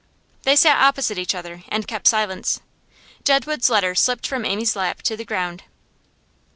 They sat opposite each other, and kept silence. Jedwood's letter slipped from Amy's lap to the ground.